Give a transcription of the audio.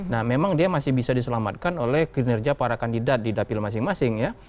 nah memang dia masih bisa diselamatkan oleh kinerja para kandidat di dapil masing masing ya